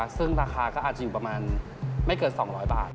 ซึ่งราคาก็อาจจะอยู่ประมาณไม่เกิน๒๐๐บาท